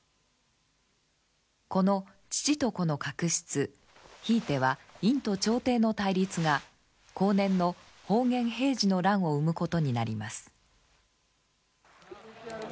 この父と子の確執ひいては院と朝廷の対立が後年の保元・平治の乱を生むことになります。